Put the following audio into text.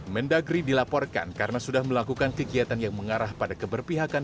mendagri dilaporkan karena sudah melakukan kegiatan yang mengarah pada keberpihakan